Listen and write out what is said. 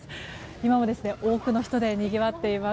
今も多くの人でにぎわっています。